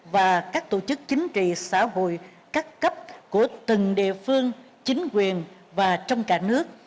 và các tổ chức chính trị xã hội các cấp của từng địa phương chính quyền và trong cả nước